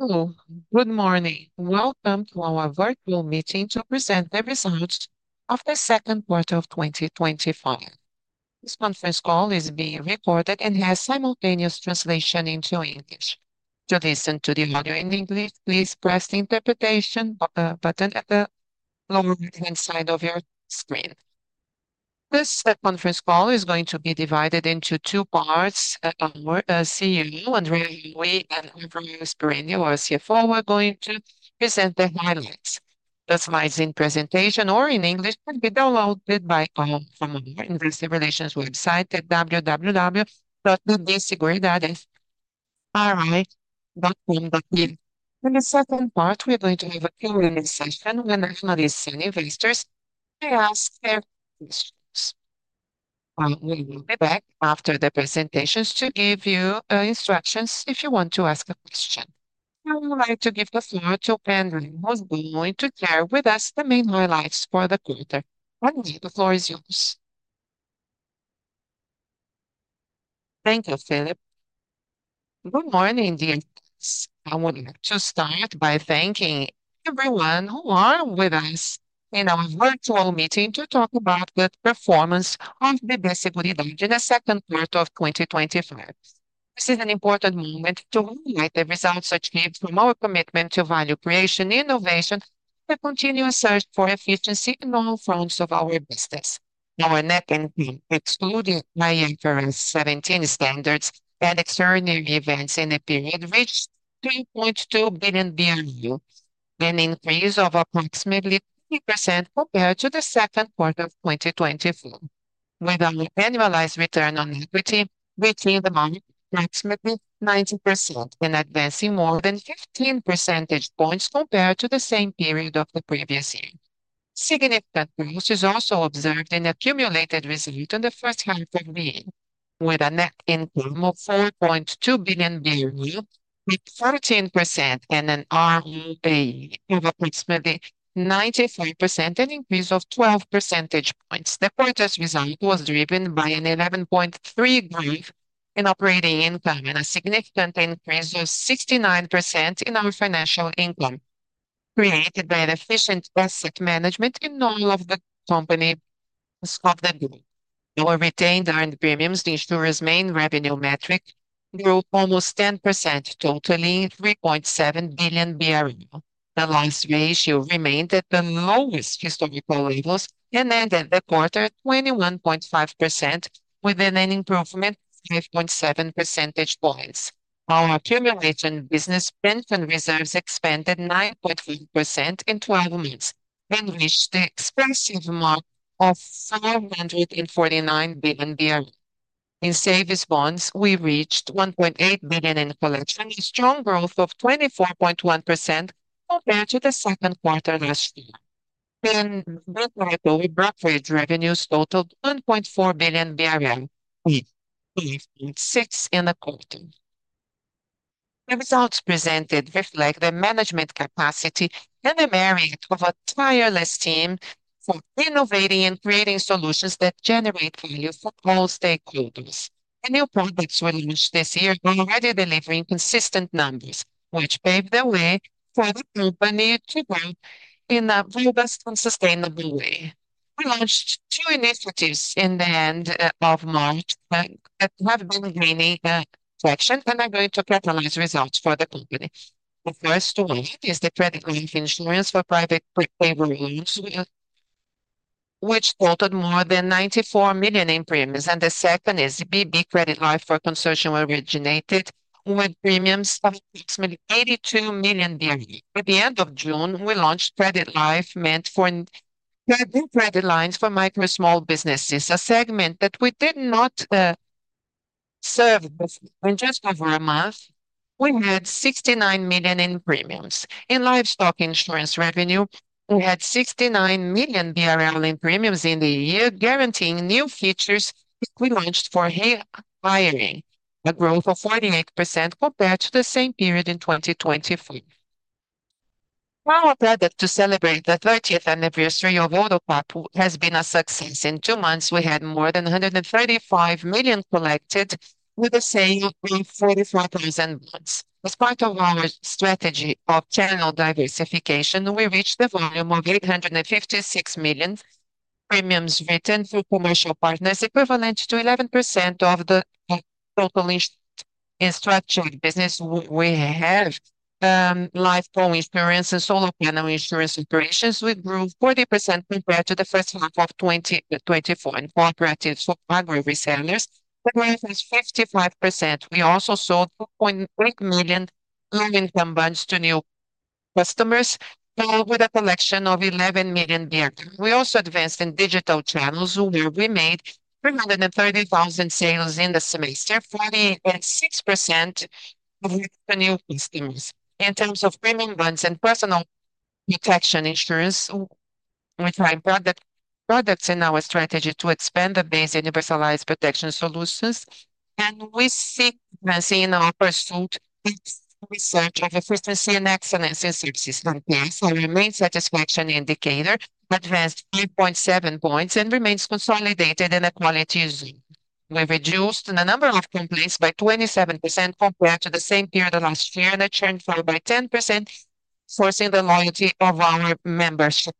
Hello, good morning. Welcome to our virtual meeting to present the results of the second quarter of 2025. This conference call is being recorded and has simultaneous translation into English. To listen to the audio in English, please select the appropriate option. Please press the interpretation button at the lower right-hand side of your screen. This conference call is going to be divided into two parts. Our CEO, André Haui, and Rafael Sperendio, our CFO are going to present the highlights. The slides in presentation are in English and can be downloaded by Investor Relations website at www.bbseguridaderi.com. In the second part we're going to we will have a Q&A session where analysts and investors may ask their questions. We will be back after the presentations to give you instructions if you want to ask a question. I would like to give the floor to André Haui to share with us the main highlights for the quarter. Andre the floor is yours. Thank you. Good morning, dear friends, I would like to start by thanking everyone who are with us in our virtual meeting to talk about the performance of the basically the beginning of the second quarter of 2025. This is an important moment to highlight the results achieved from our commitment to value creation, innovation, the continuous search for efficiency in all fronts of our business. Our net income excluding high incurrence 17 standards and extraordinary events in a period reached R$3.2 billion, an increase of approximately 50% compared to the second quarter of 2024, with an annualized return on equity retained amount approximately 90% and advancing more than 15 percentage points compared to the same period of the previous year. Significant growth is also observed in accumulated results in the first half of the year with a net income of R$4.2 billion, with 14% and an ROA over placement 93%, an increase of 12 percentage points. The quarter's result was driven by an 11.3% growth in operating income and a significant increase of 69% in our financial income created by an efficient asset management in all of the company of the retained earned premiums. The insurer's main revenue metric grew almost 10%, totaling R$3.7 billion revenue. The loss ratio remained at the lowest historical levels and ended the quarter 21.5%, with an improvement of 5.7 percentage points. Our accumulated business pension reserves expanded 9.3% in 12 months and reached the expressive mark of R$549 billion. In premium bonds we reached R$1.8 billion in collection, strong growth of 24.1% compared to the second quarter last year when brokerage revenues totaled R$1.4 billion. We believe it sits in a quota. The results presented reflect the management capacity and the merit of a tireless team for innovating and creating solutions that generate value for all stakeholders and new products. We launched this year already delivering consistent numbers which paved the way for the company to grow in a robust and sustainable way. We launched two initiatives in the end of March that have been gaining traction and are going to catalyze results for the company. The first one is the credit life insurance for private loans, which quoted more than R$94 million in premiums, and the second is BB Credit R4 Consortium, originated with premiums of approximately R$82 million. At the end of June, we launched credit life insurance meant for new credit lines for micro and small businesses, a segment that we did not serve. In just over a month, we had R$69 million in premiums in livestock lien insurance revenue. We had R$69 million in premiums in the year, guaranteeing new features. We launched for hiring a growth of 48% compared to the same period in 2023. Our product to celebrate the 30th anniversary of Auto Pop has been a success. In two months, we had more than R$135 million collected with the sale of 44,000 bonds. As part of our strategy of channel diversification, we reached the volume of R$856 million premiums written for commercial partners, equivalent to 11% of the total in structured business. We have life, home insurance, and solar panel insurance operations. We grew 40% compared to the first half of 2024 in Cooperative Agri Resellers, 55%. We also sold 2.8 million premium bonds to new customers with a collection of R$11 million there. We also advanced in digital channel sales where we made 330,000 sales in the semester, 46% of new customers. In terms of premium bonds and personal protection insurance plan, we find products in our strategy to expand the base universalized protection solutions. We can see in our pursuit of efficiency and excellence in subsistence. Our main satisfaction indicator advanced 5.7 points and remains consolidated in a quality zone. We reduced the number of companies by 27% compared to the same period last year and churn by 10%, fostering the loyalty of our membership.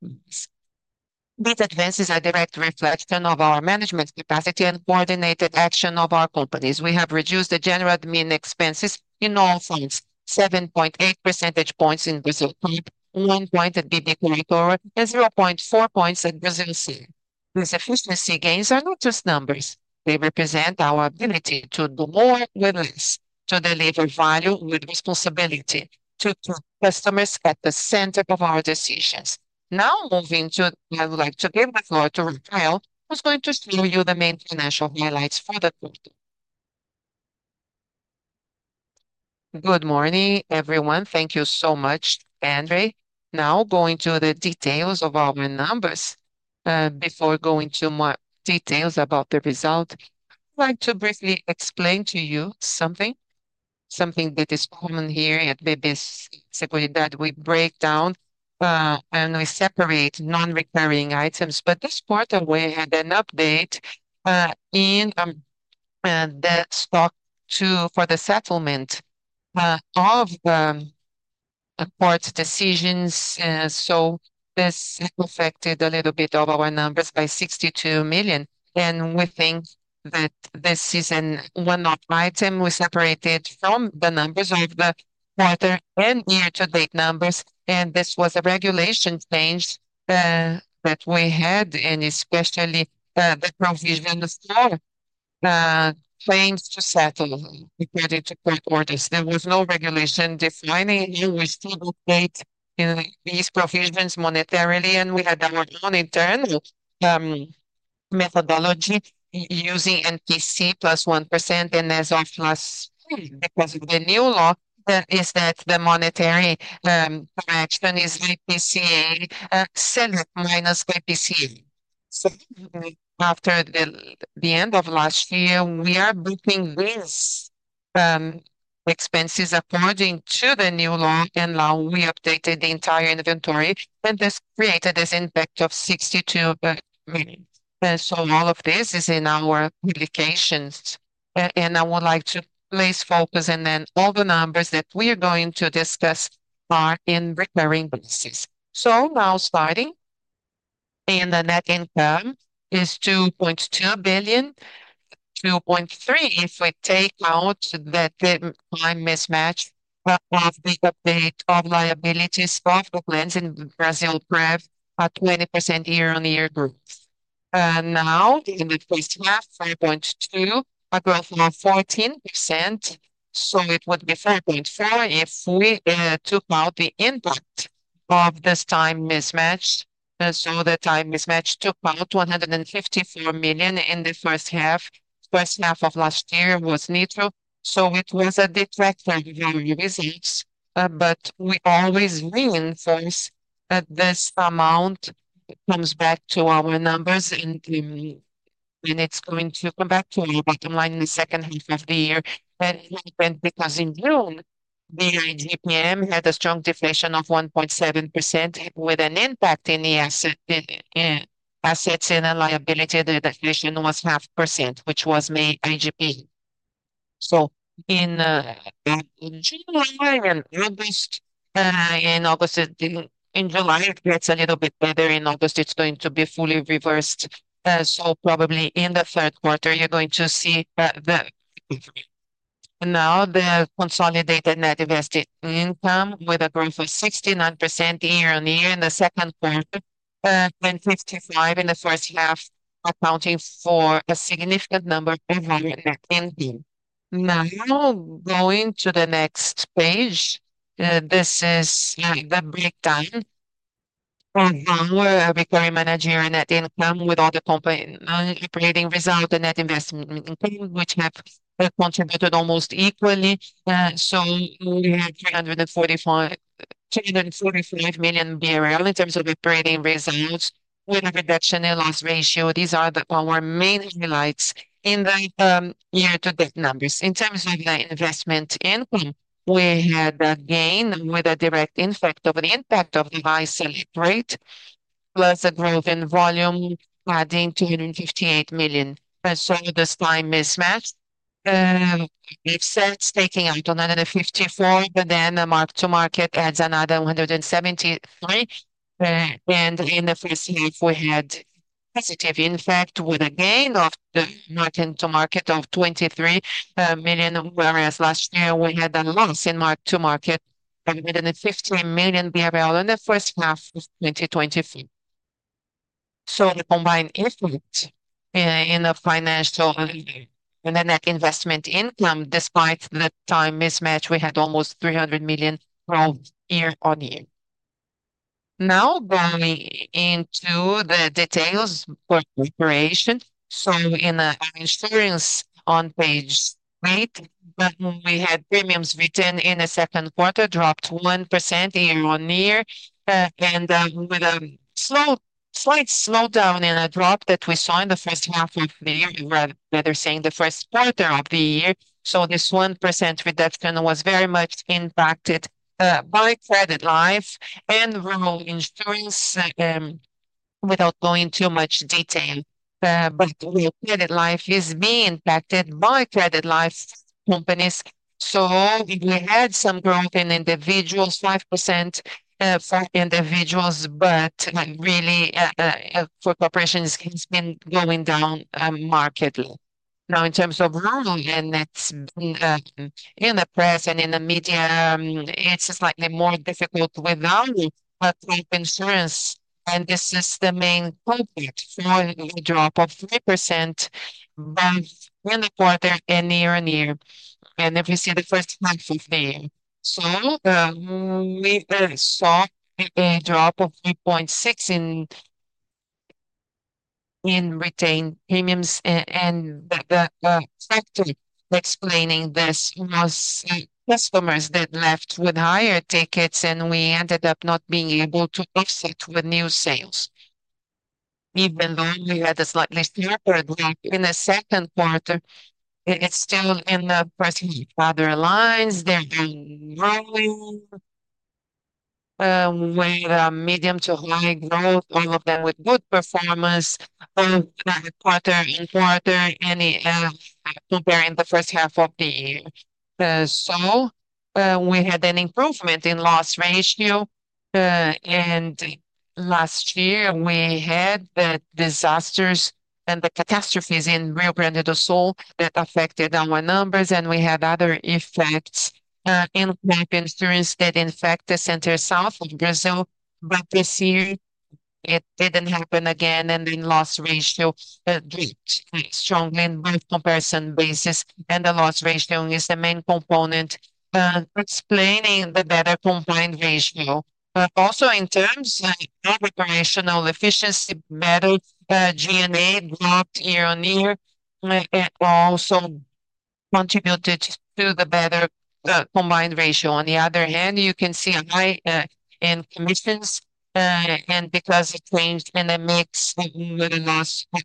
These advances are a direct reflection of our management capacity and coordinated action of our companies. We have reduced the general admin expenses in all funds, 7.8 percentage points in Brazil, top 1 point at BB Corretora and 0.4 points at Brasilprev. These efficiency gains are not just numbers. They represent our ability to do more with less, to deliver value with responsibility, to put customers at the center of our decisions. Now, moving to, I would like to give the floor to Rafael, who's going to show you the main financial highlights for the quarter. Good morning, everyone. Thank you so much, André. Now, going to the details of our numbers before going into too much detail about the result. I'd like to briefly explain to you something that is common here. That we break down and we separate non-recurring items. This part of we had an update in that stock too for the settlement of the court decisions. This affected a little bit of our numbers by $62 million and we think that this is a one item we separated from the numbers of the quarter and year-to-date numbers. This was a regulation change that we had, and especially the provision for claims to settle according to court orders. There was no regulation defining you with these provisions monetarily and we had our monitor methodology using NPC+1%, and as of last because of the new law is that the monetary action is NPC SENH minus VPC. After the end of last year we are booking these expenses according to the new law and now we updated the entire inventory and this created this impact of $62 million. All of this is in our publications and I would like to place focus and then all the numbers that we are going to discuss are in recurring policies. Now starting and the net income is $2.2 billion, $2.3 billion if we take note that the time mismatch of the date of liabilities of the plans in Brasilprev at 20% year on year group. Now in the first graph, 5.2, a graph of 14%, so it would be 5.4 if we took out the impact of this time mismatch. The time mismatch took out $154 million in the first half. First half of last year was neutral. It was a detractor. We always reinforce that this amount comes back to our numbers and it's going to come back to our bottom line in the second half of the year. That happened because in June the IGPM had a strong deflation of 1.7% with an impact in the assets and liability. The deflation was 0.5% which was May IGPM. In July and August, in July it gets a little bit better. In August it's going to be fully reversed. Probably in the third quarter you're going to see now the consolidated net invested income with a growth of 69% year on year in the second quarter, 205.5 in the first half accounting for a significant number. Now going to the next page, this is the breakdown of borrower requiring managerial net income with all the company operating result, the net investment which have contributed almost equally. We have 345 million BRL in terms of operating results with a reduction in loss ratio. These are our main highlights in the year to date numbers. In terms of the investment income, we had a gain with a direct impact of the impact of the buy selling rate plus a growth in volume adding 258 million. The time mismatched. We've said staking out to another 54. Then the mark to market adds another 173. In the first half we had positive impact with a gain of the mark to market of 23 million, whereas last year we had a loss in mark to market 15 million BRL in the first half of 2023. The combined effort in the financial net investment income despite the time mismatch, we had almost 300 million year on year. Now going into the details for preparation. In insurance on page eight, we had premiums returned in the second quarter, dropped 1% year on year, with a slight slowdown in a drop that we saw in the first half of the year, rather saying the first quarter of the year. This 1% reduction was very much impacted by credit life and rural insurance. Without going too much detail, credit life is being impacted by credit life companies. We had some growth in individuals, 5% for individuals, but really for corporations it's been going down markedly. In terms of rural, and it's in the press and in the media, it's slightly more difficult with only insurance. This is the main drop of 3% quarter and year on year. If you see the first month of day, we saw a drop of 3.6% in retained premiums. The factory explained this to customers that left with higher tickets. We ended up not being able to offset with new sales. Even though we had a slightly upward leak in the second quarter, it's still in the press heat. Other lines are growing with medium to high growth, all of them with good performance in the first half of the year. We had an improvement in loss ratio. Last year we had the disasters and the catastrophes in Rio Grande do Sul that affected our numbers. We had other effects in life insurance that affect the center south of Brazil. This year it didn't happen again, and the loss ratio dropped strongly. By comparison basis, the loss ratio is the main component explaining the better combined ratio. Also, in terms of operational efficiency, Method G and a block year on year also contributed to the better combined ratio. On the other hand, you can see a high in commissions because it changed in a mix insurance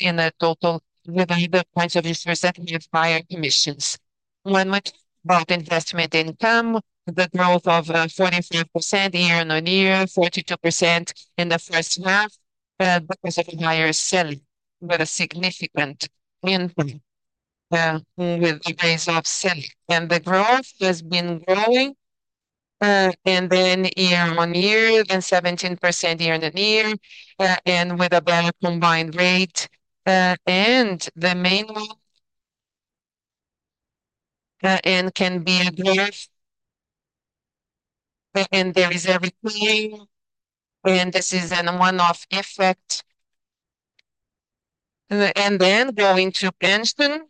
in a total with either point of interest by commissions. One was about investment income, the growth of 45% year on year, 42% in the first half because of a higher SELIC. A significant increase with days of SELIC, and the growth has been growing year on year and 17% year on year, with a better combined rate. The main one at the end can be addressed, and there is everything in parenthesis and one-off effect. Going to pension,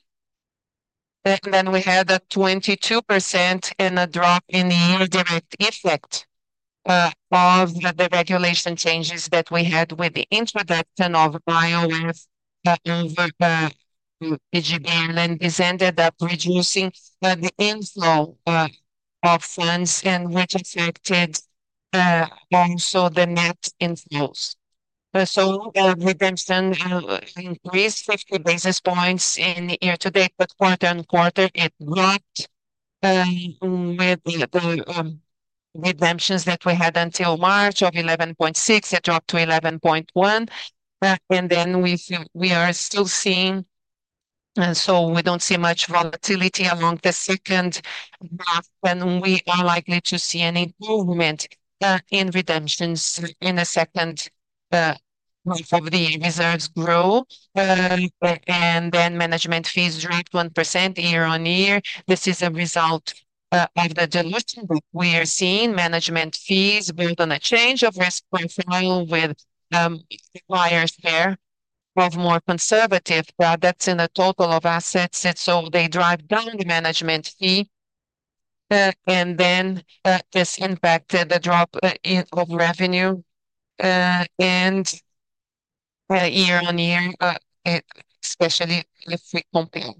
we had a 22% drop in the indirect effect of the regulatory changes that we had with the introduction of IOF cut over PGBL. This ended up reducing the inflow of funds, which affected also the net inflows. Redemption increased 50 basis points year to date, but quarter on quarter it dropped. With the redemptions that we had until March of 11.6, it dropped to 11.1. We are still seeing, so we don't see much volatility along the second half. We are likely to see an improvement in redemptions in the second half if the reserves grow. Management fees dropped 1% year on year. This is a result of the dilution. We are seeing management fees built on a change of risk profile, which requires a pair of more conservative assets in the total of assets, so they drive down the management fee. This impacted the drop of revenue year on year, especially if we compare.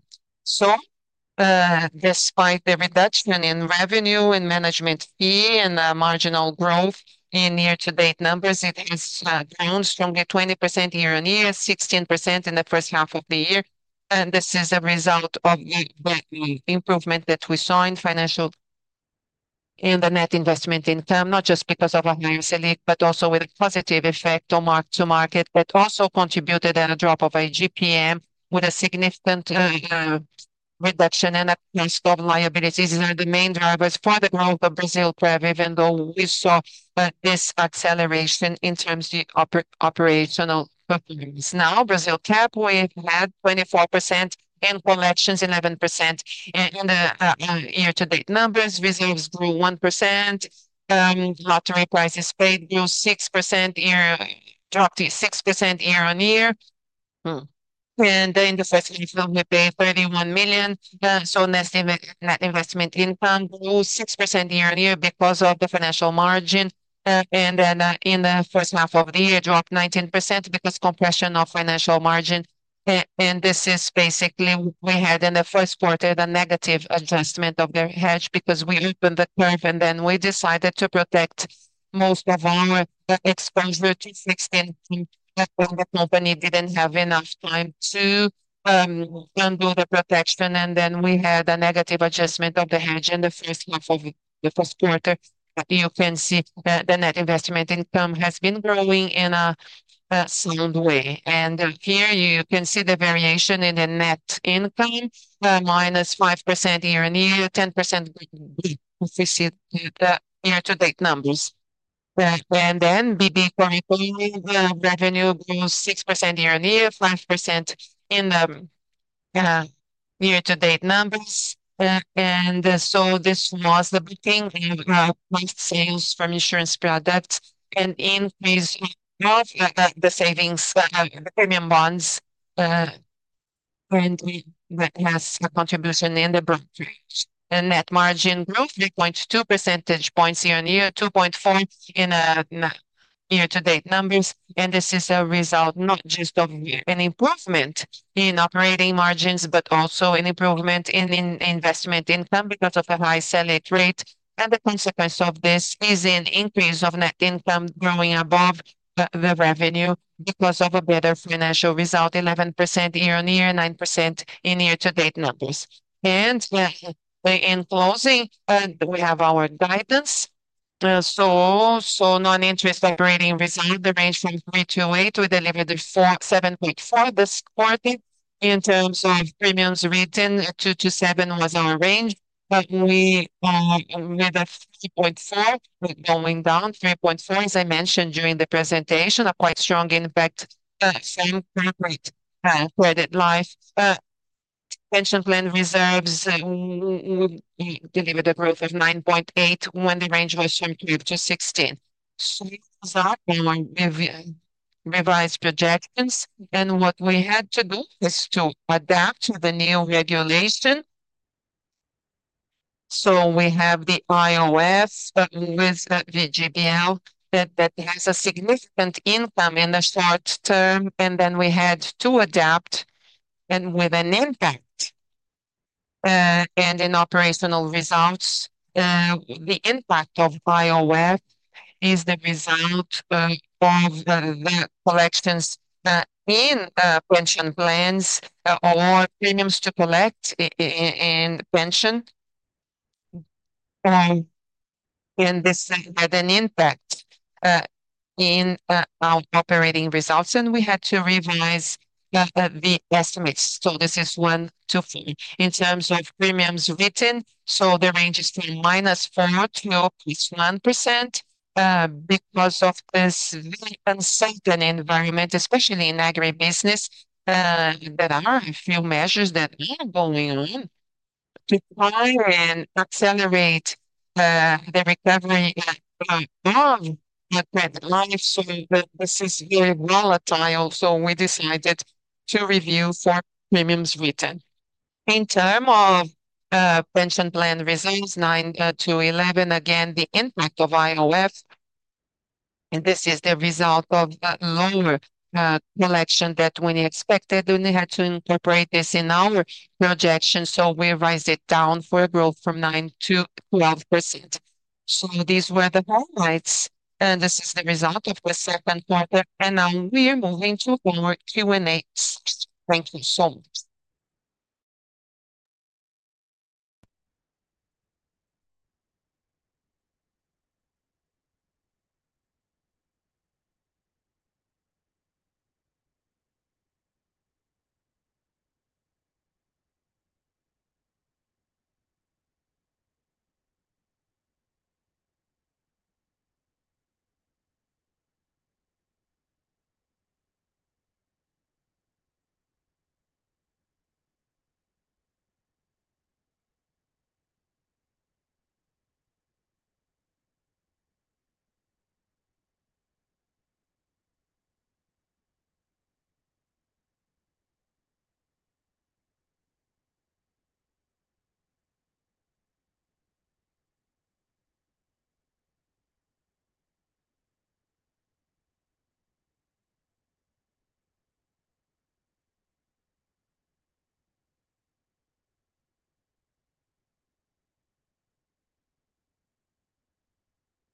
Despite the reduction in revenue and management E and marginal growth in year-to-date numbers, it has grown strongly, 20% year on year, 16% in the first half of the year. This is a result of improvement that we saw in financial, in the net investment income, not just because of a higher SELIC, but also with a positive effect on mark to market. That also contributed, and a drop of IGPM with a significant reduction and a cost of liabilities are the main drivers for the growth of Brazil Prev. Even though we saw this acceleration in terms of operational. Now, Brasilcap, we had 24% in collections, 11% in the year-to-date numbers, reserves grew 1%. Lottery prizes paid grew 6% year, dropped 6% year on year. In the first year, we paid $31 million. Net investment income grew 6% year on year because of the financial margin. In the first half of the year, it dropped 19% because of compression of financial margin. This is basically, we had in the first quarter the negative adjustment of the hedge because we opened the curve and then we decided to protect most of our exposure to 16. The company didn't have enough time to do the protection, and then we had a negative adjustment of the hedge in the first half of it. The first quarter, you can see that the net investment income has been growing in a smooth way. Here you can see the variation in the net income, minus 5% year on year, 10% year-to-date numbers. BB correlated revenue grew 6% year on year, 5% in year-to-date numbers. This was the booking month sales from insurance products and increase of the savings. The premium bonds currently has a contribution in the brokerage and net margin growth, 3.2 percentage points year on year, 2.4 in year-to-date numbers. This is a result not just of an improvement in operating margins, but also an improvement in investment income because of a high SELIC rate. The consequence of this is an increase of net income growing above the revenue because of a better financial result, 11% year on year, 9% in year-to-date numbers. In closing, we have our guidance. Non-interest operating receipt, the range from 3 to 8, we delivered the 4.7.4. The score in terms of premiums written, 2 to 7 was our range, but we 4 going down 3.4 as I mentioned during the presentation, a quite strong impact. Credit life pension plan reserves delivered a growth of 9.8 when the range was computed to 16 revised projections. What we had to do is to adapt to the new regulation. We have the IOF with the GBL that has significant income in the short term. We had to adapt, with an impact in operational results. The impact of Bioware is the result of the collections in pension plans or premiums to collect in pension. This had an impact in our operating results and we had to revise the estimates. This is 1 to 4 in terms of premiums written. The range is from -4%-1%. Because of this very uncertain environment, especially in agribusiness, there are a few measures that are going on to try and accelerate the recovery of the life. This is very volatile so we decided to review four premiums. Written in terms of pension plan results, 9 to 11, again the impact of IOF. This is the result of lower collection that we expected, and we had to incorporate this in our projection. We raised it down for a growth from 9%-12%. These were the highlights. This is the result of the second quarter, and now we are moving to our Q&A. Thank you so much.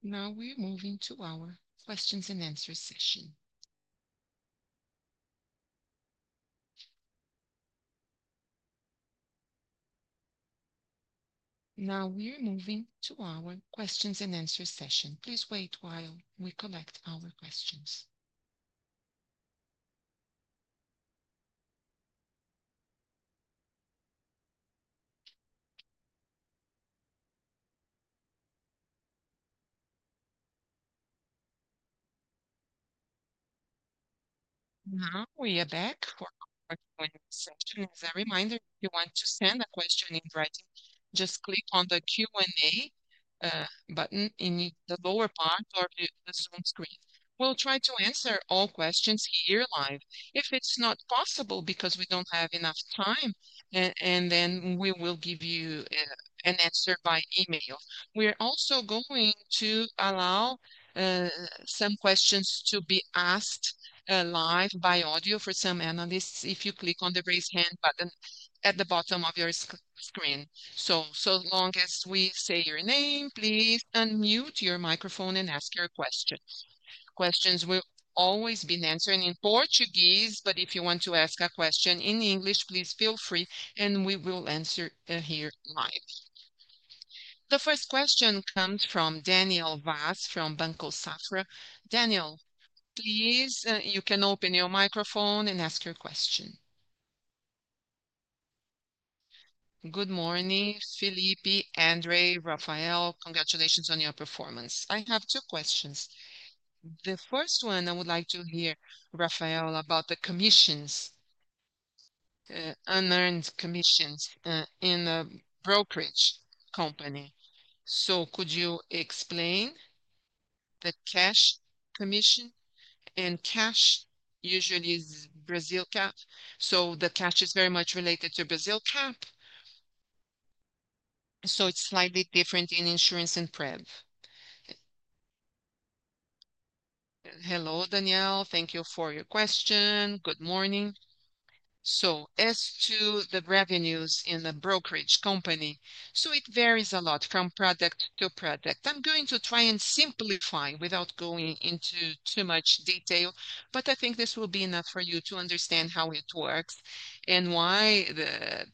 Now we are moving to our questions and answers session. Please wait while we collect our questions. As a reminder, if you want to send a question in writing, just click on the Q and A button in the lower part of the Zoom screen. We'll try to answer all questions here live. If it's not possible because we don't have enough time, then we will give you an answer by email. We're also going to allow some questions to be asked live by audio for some analysts if you click on the Raise Hand button at the bottom of your screen. As long as we say your name, please unmute your microphone and ask your questions. Questions will always be answered in Portuguese, but if you want to ask a question in English, please feel free and we will answer here live. The first question comes from Daniel Vaz from Banco Safra. Daniel, please, you can open your microphone and ask your question. Good morning, Felipe, André, Rafael, congratulations on your performance. I have two questions. The first one I would like to hear Rafael about the commissions, unearned commissions in a brokerage company. Could you explain the cash commission and cash usually is Brasilcap. The cash is very much related to Brasilcap. It's slightly different in insurance and prev. Hello Daniel, thank you for your question. Good morning. As to the revenues in the brokerage company, it varies a lot from product to product. I'm going to try and simplify without going into too much detail, but I think this will be enough for you to understand how it works and to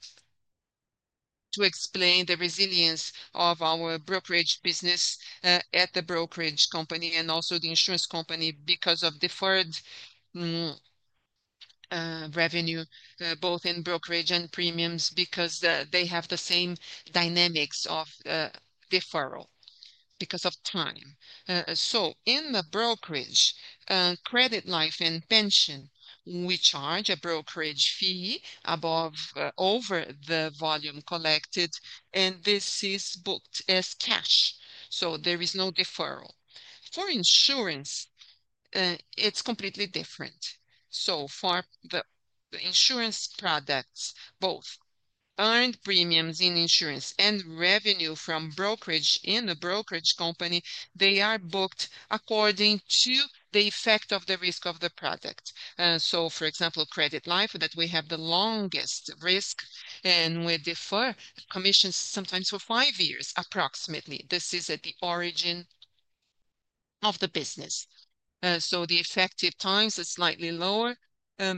explain the resilience of our brokerage business at the brokerage company and also the insurance company, because of deferred revenue, both in brokerage and premiums, because they have the same dynamics of deferral because of time. In the brokerage, credit life and pension, we charge a brokerage fee above over the volume collected and this is booked as cash. There is no deferral. For insurance, it's completely different. For the insurance products, both earned premiums in insurance and revenue from brokerage in a brokerage company, they are booked according to the effect of the risk of the product. For example, credit life that we have the longest risk and we defer commissions sometimes for five years approximately. This is at the origin of the business. The effective times are slightly lower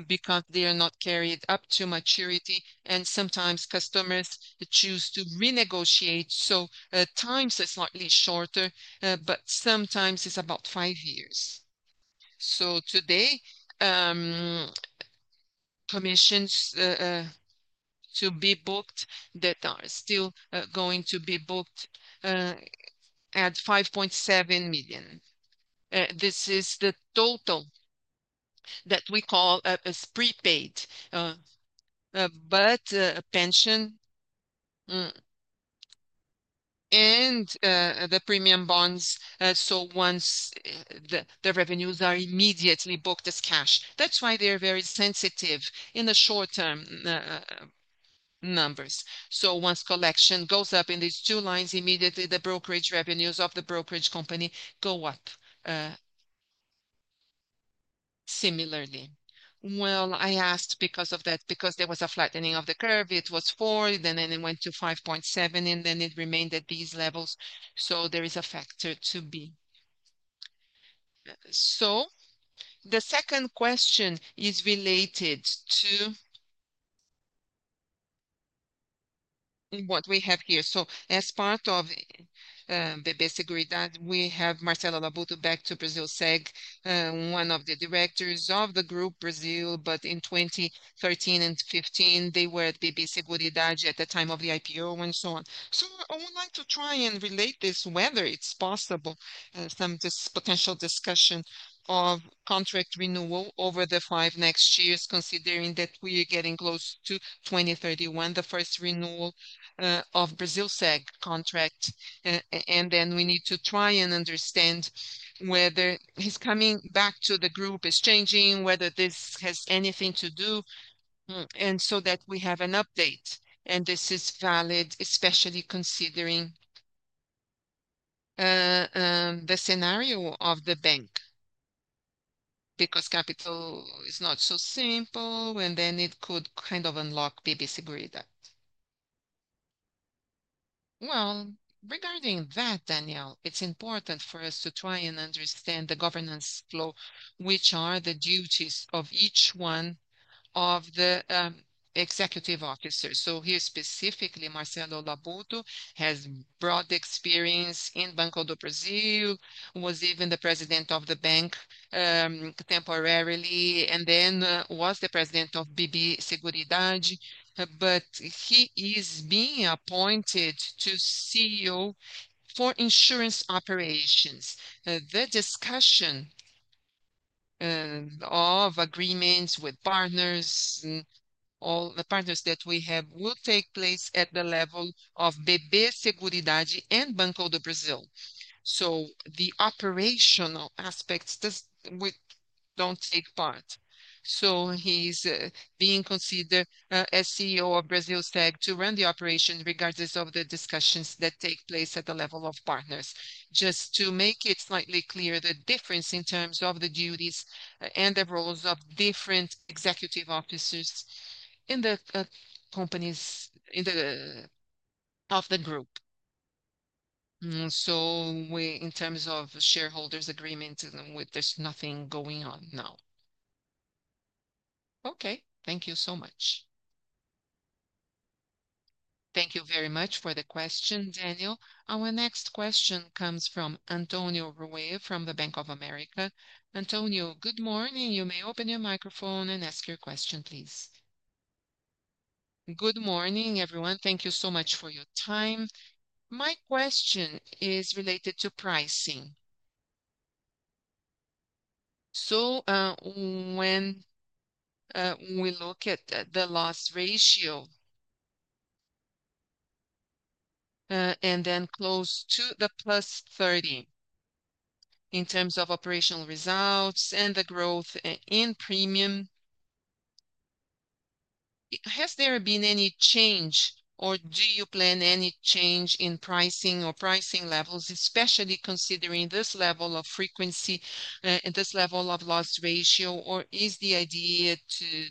because they are not carried up to maturity and sometimes customers choose to renegotiate. Times are slightly shorter, but sometimes it's about five years. Today, commissions to be booked that are still going to be booked are $5.7 million. This is the total that we call as prepaid, but a pension and the premium bonds. Once the revenues are immediately booked as cash, that's why they're very sensitive in the short-term numbers. Once collection goes up in these two lines, immediately the brokerage revenues of the brokerage company go up similarly. I asked because of that, because there was a flattening of the curve. It was 4, then it went to 5.7 and then it remained at these levels. There is a factor to be. The second question is related to what we have here. As part of the basic redad we have Marcelo Labuto back to BB Seguridade, one of the directors of the group. In 2013 and 2015 they were at BB Seguridade at the time of the IPO and so on. I would like to try and relate this, whether it's possible, some potential discussion of contract renewal over the next five years, considering that we are getting close to 2031, the first renewal of BB Seguridade contract. We need to try and understand whether his coming back to the group is changing, whether this has anything to do and so that we have an update. This is valid, especially considering the scenario of the bank because capital is not so simple and then it could kind of unlock BB Seguridade. Regarding that, Daniel, it's important for us to try and understand the governance flow, which are the duties of each one of the executive officers. Here specifically, Marcelo Labuto has broad experience in Banco do Brasil, was even the President of the bank temporarily and then was the President of BB Seguridade, but he is being appointed to CEO for insurance operations. The discussion of agreements with partners, all the partners that we have, will take place at the level of BB Seguridade and Banco do Brasil. The operational aspects don't take part. He is being considered as CEO of BB Seguridade to run the operation, regardless of the discussions that take place at the level of partners. Just to make it slightly clear, the difference in terms of the duties and the roles of different executive officers in the companies of the group. In terms of shareholders agreement, there's nothing going on now. Okay, thank you so much. Thank you very much for the question, Daniel. Our next question comes from Antonio Ruette from Bank of America. Antonio, good morning. You may open your microphone and ask your question, please. Good morning everyone. Thank you so much for your time. My question is related to pricing. When we look at the loss ratio and then close to the plus 30 in terms of operational results and the growth in premium, has there been any change or do you plan any change in pricing or pricing levels, especially considering this level of frequency and this level of loss ratio, or is the idea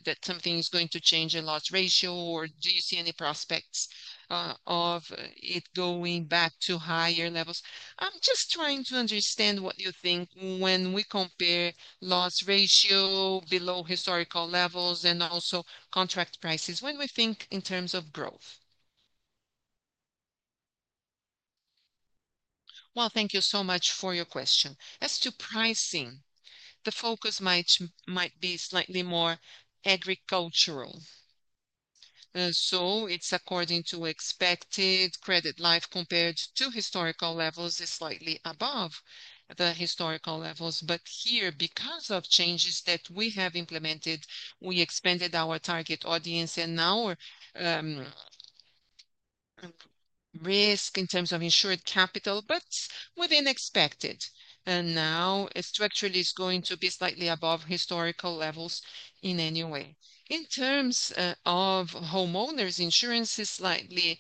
that something is going to change a loss ratio or do you see any prospects of it going back to higher levels? I'm just trying to understand what you think when we compare loss ratio below historical levels and also contract prices when we think in terms of growth. Thank you so much for your question. As to pricing, the focus might be slightly more agricultural. It's according to expected credit life compared to historical levels, which is slightly above the historical levels. Here, because of changes that we have implemented, we expanded our target audience and now risk in terms of insured capital, but within expected and now structure is going to be slightly above historical levels in any way. In terms of homeowners insurance, it is slightly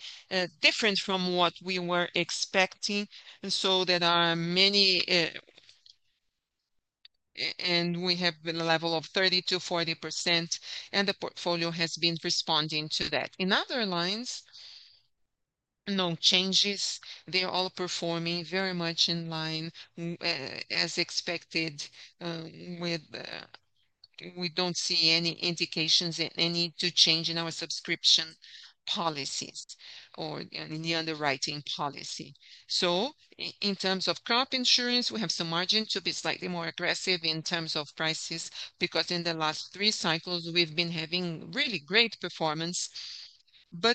different from what we were expecting. There are many, and we have a level of 30%-40%, and the portfolio has been responding to that. In other lines, no changes. They're all performing very much in line as expected. We don't see any indications to change in our subscription policies or in the underwriting policy. In terms of crop insurance, we have some margin to be slightly more aggressive in terms of prices because in the last three cycles we've been having really great performance.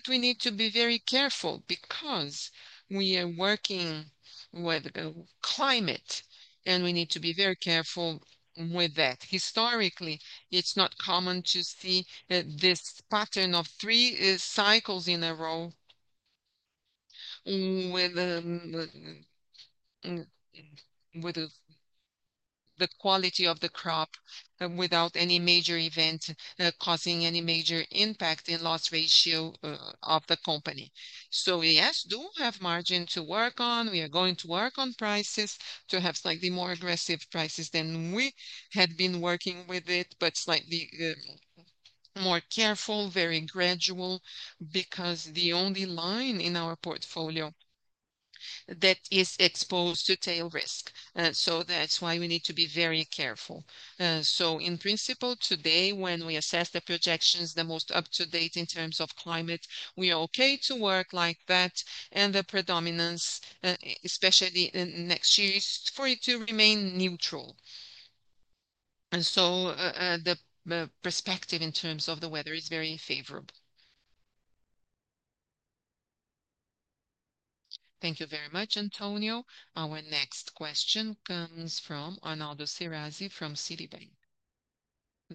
We need to be very careful because we are working with climate, and we need to be very careful with that. Historically, it's not common to see this pattern of three cycles in a row with the quality of the crop without any major event causing any major impact in loss ratio of the company. Yes, we do have margin to work on. We are going to work on prices to have slightly more aggressive prices than we had been working with, but slightly more careful, very gradual, because the only line in our portfolio that is exposed to tail risk. That's why we need to be very careful. In principle today, when we assess the projections, the most up to date in terms of climate, we are okay to work like that. The predominance, especially next year, is for it to remain neutral. The perspective in terms of the weather is very favorable. Thank you very much, Antonio. Our next question comes from Arnon Shirazi from Citibank.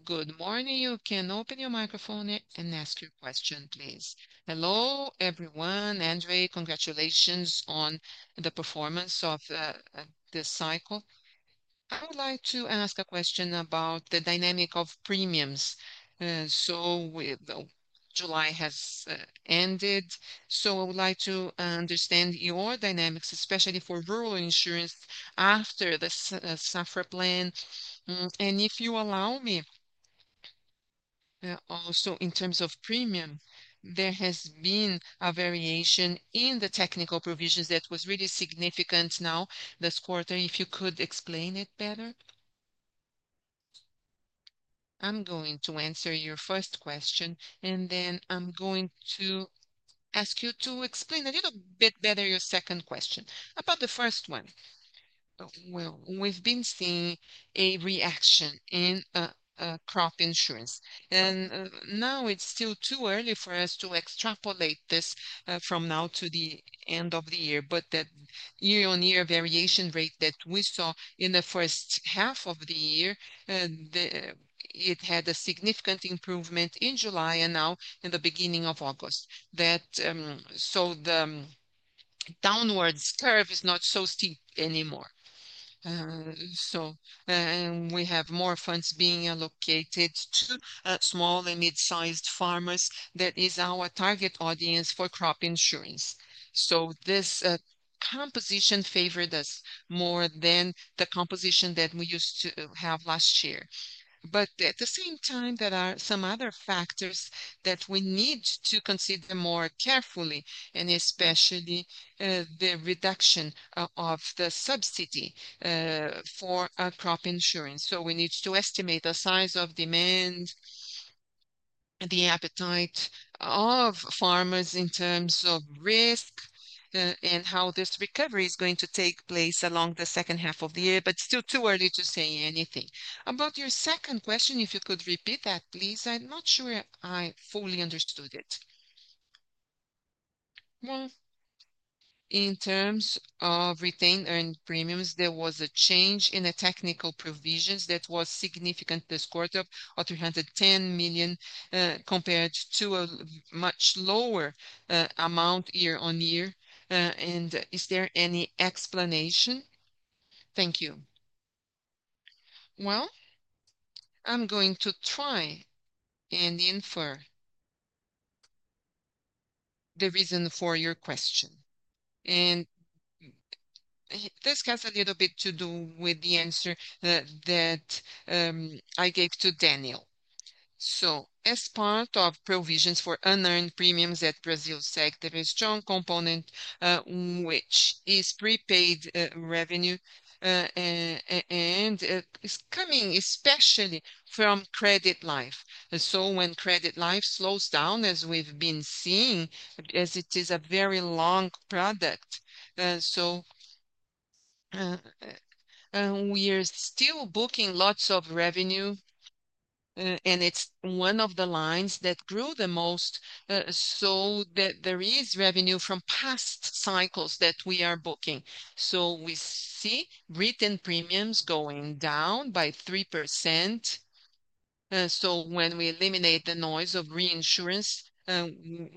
Good morning. You can open your microphone and ask your question, please. Hello everyone. André, congratulations on the performance of this cycle. I would like to ask a question about the dynamic of premiums. July has ended, so I would like to understand your dynamics, especially for rural insurance after the Safra plan. If you allow me, also in terms of premium, there has been a variation in the technical provisions that was really significant. Now this quarter, if you could explain it better. I'm going to answer your first question and then I'm going to could you explain a little bit regarding your second question about the first one, we've been seeing a reaction in crop insurance and now it's still too early for us to extrapolate this from now to the end of the year. That year-on-year variation rate that we saw in the first half of the year had a significant improvement in July and now in the beginning of August. The downwards curve is not so steep anymore. We have more funds being allocated to small and mid-sized farmers. That is our target audience for crop insurance. This composition favored us more than the composition that we used to have last year. At the same time, there are some other factors that we need to consider more carefully, especially the reduction of the subsidy for crop insurance. We need to estimate the size of demand, the appetite of farmers in terms of risk, and how this recovery is going to take place along the second half of the year. It's still too early to say anything about your second question. If you could repeat that, please. I'm not sure I fully understood it. In terms of retained earned premiums, there was a change in the technical provisions that was significant this quarter of $310 million compared to a much lower amount year-on-year. Is there any explanation? Thank you. I'm going to try and infer the reason for your question, and this has a little bit to do with the answer that I gave to Daniel. As part of provisions for unearned premiums at Brasilseg, there is a strong component which is prepaid revenue and is coming especially from credit life. When credit life slows down, as we've been seeing, as it is a very long product, we are still booking lots of revenue and it's one of the lines that grew the most. There is revenue from past cycles that we are booking. We see written premiums going down by 3%. When we eliminate the noise of reinsurance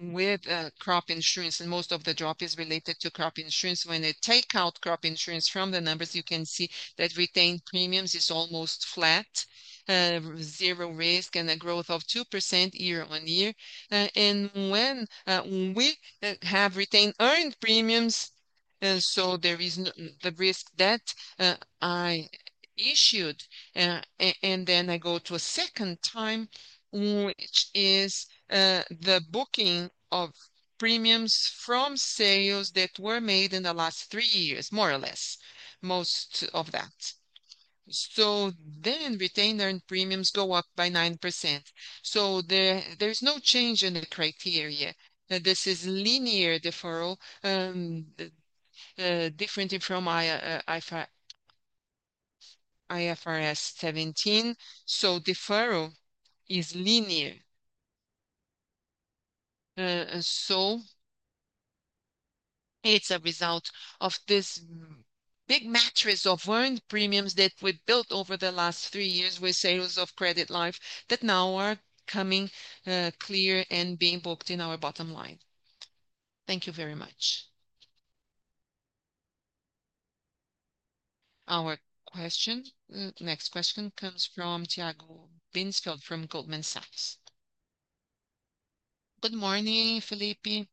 with crop insurance, and most of the drop is related to crop insurance, when they take out crop insurance from the numbers, you can see that retained premiums is almost flat, zero risk, and a growth of 2% year-on-year. When we have retained earned premiums, there is the risk that I issued and then I go to a second time, which is the booking of premiums from sales that were made in the last three years, more or less most of that. Retained earned premiums go up by 9%. There's no change in the criteria. This is linear deferral, differently from IFRS 17. Deferral is linear. It's a result of this big mattress of earned premiums that we built over the last three years with sales of credit life that now are coming clear and being booked in our bottom line. Thank you very much. Our next question comes from Tiago Binsfeld from Goldman Sachs. Good morning, Felipe,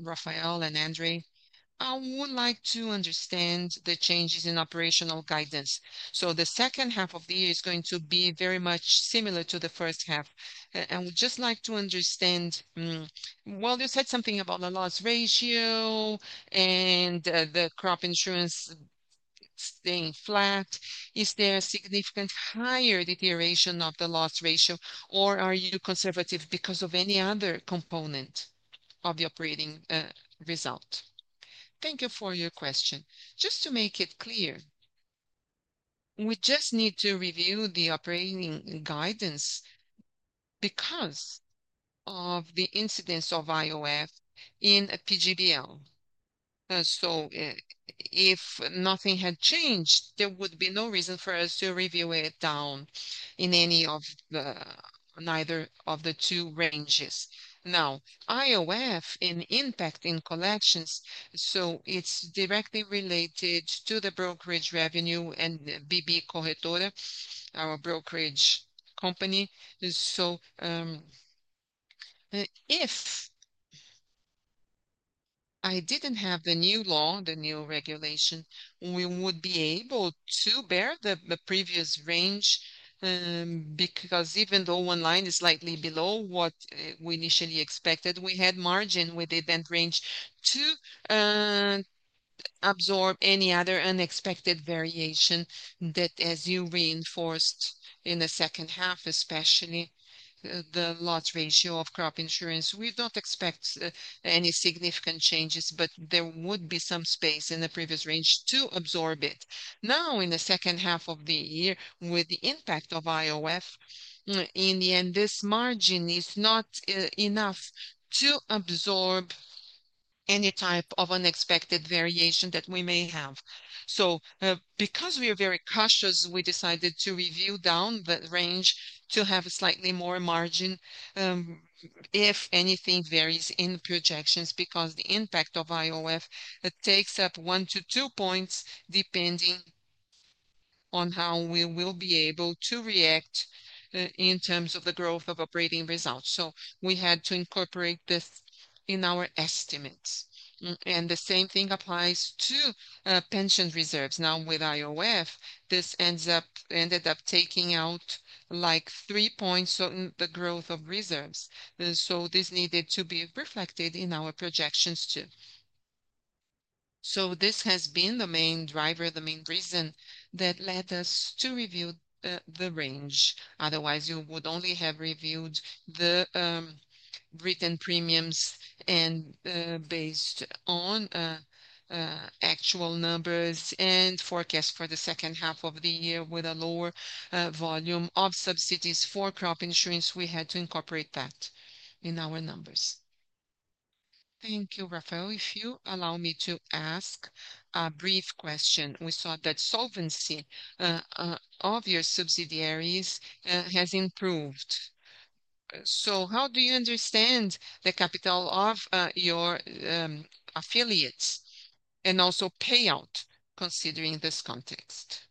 Rafael and André. I would like to understand the changes in operational guidance. The second half of the year is going to be very much similar to the first half. I would just like to understand. You said something about the loss ratio and the crop insurance staying flat. Is there a significantly higher deterioration of the loss ratio or are you conservative because of any other component of the operating result? Thank you for your question. Just to make it clear, we just need to review the operating guidance because of the incidence of IOF in a PGBL. If nothing had changed, there would be no reason for us to review it down in either of the two ranges. Now IOF is impacting collections, so it's directly related to the brokerage revenue and BB Corretora, our brokerage company. If I didn't have the new law, the new regulation, we would be able to bear the previous range because even though one line is slightly below what we initially expected, we had margin within that range to absorb any other unexpected variation that, as you reinforced, in the second half, especially the loss ratio of crop insurance. We don't expect any significant changes, but there would be some space in the previous range to absorb it. In the second half of the year with the impact of IOF, in the end, this margin is not enough to absorb any type of unexpected variation that we may have. Because we are very cautious, we decided to review down that range to have slightly more margin if anything varies in projections because the impact of IOF takes up one to two points depending on how we will be able to react in terms of the growth of operating results. We had to incorporate this in our estimates. The same thing applies to pension reserves. Now with IOF, this ended up taking out like three points on the growth of reserves, so this needed to be reflected in our projections too. This has been the main driver, the main reason that led us to review the range. Otherwise, you would only have reviewed the written premiums. Based on actual numbers and forecast for the second half of the year with a lower volume of subsidies for crop insurance, we had to incorporate that in our numbers. Thank you, Rafael. If you allow me to ask a brief question, we saw that solvency of your subsidiaries has improved. How do you understand the capital of your affiliates and also payout considering this context?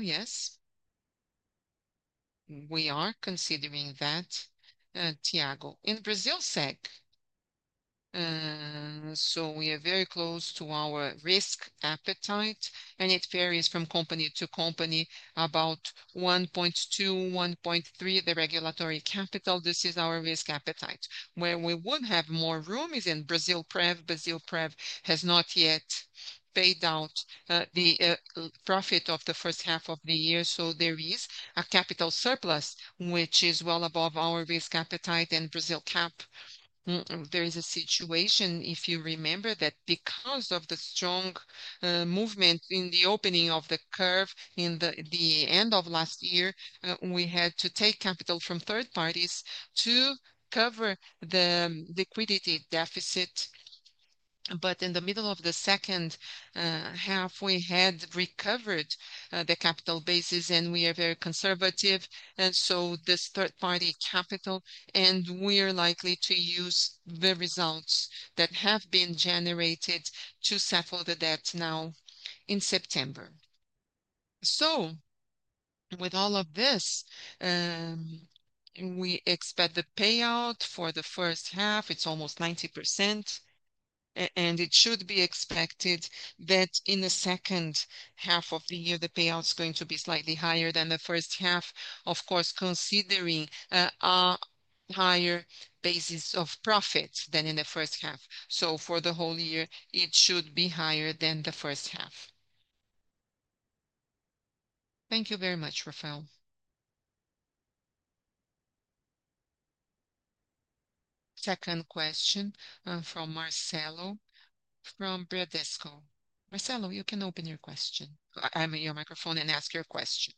Yes, we are considering that, Tiago, in Brazil Seg. We are very close to our risk appetite, and it varies from company to company, about 1.2, 1.33 the regulatory capital. This is our risk appetite. Where we would have more room is in Brasilprev. Brasilprev has not yet paid out the profit of the first half of the year, so there is a capital surplus which is well above our risk appetite. In Brasilcap, there is a situation, if you remember, that because of the strong movement in the opening of the curve in the end of last year, we had to take capital from third parties to cover the liquidity deficit. In the middle of the second half we had recovered the capital basis. We are very conservative and this third party capital and we are likely to use the results that have been generated to sample the debt now in September. With all of this, we expect the payout for the first half, it's almost 90%. It should be expected that in the second half of the year the payout is going to be slightly higher than the first half, of course, considering a higher basis of profit than in the first half. For the whole year it should be higher than the first half. Thank you very much, Rafael. Second question from Marcelo from Bradesco. Marcelo, you can open your microphone and ask your question.